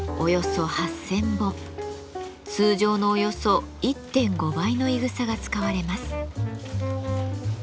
通常のおよそ１．５倍のいぐさが使われます。